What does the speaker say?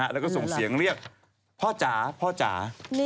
แล้วก็ส่งเสียงเรียกพ่อจ๋าพ่อจ๋า